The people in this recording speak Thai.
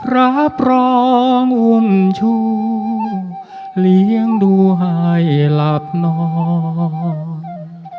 รับรองวุ่นชูเลี้ยงดูให้หลับนอน